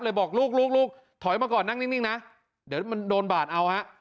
บอกลูกลูกถอยมาก่อนนั่งนิ่งนะเดี๋ยวมันโดนบาดเอาฮะ